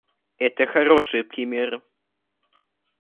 Это хорошие примеры.